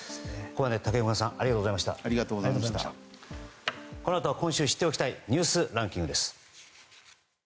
このあとは今週知っておきたいニュースランキングです。